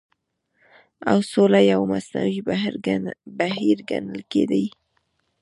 او سوله يو مصنوعي بهير ګڼل کېدی